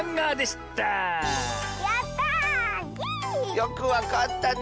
よくわかったね！